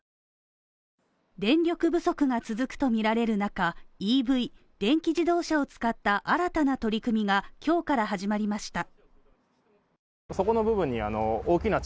電力不足が続くとみられる中、ＥＶ＝電気自動車を使った新たな取り組みが今日から始まりました。